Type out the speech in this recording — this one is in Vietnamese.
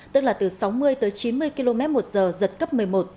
tức là từ sáu mươi tới chín mươi km một giờ giật cấp một mươi một